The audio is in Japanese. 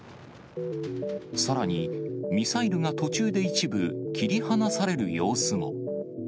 さらにミサイルが途中で一部切り離される様子も。